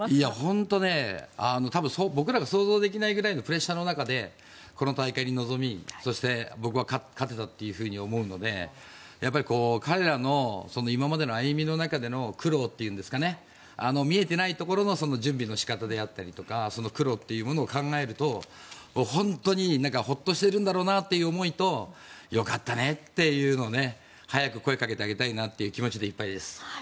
本当にね、多分僕らが想像できないぐらいのプレッシャーの中でこの大会に臨みそして、僕は勝てたと思うので彼らの今までの歩みの中での苦労というんですかね見えてないところの準備の仕方であったり苦労というものを考えると本当にホッとしているんだろうなという思いとよかったねっていうのを早く声をかけてあげたい気持ちでいっぱいです。